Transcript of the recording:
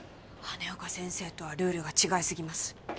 羽根岡先生とはルールが違いすぎます